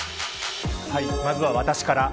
まずは私から。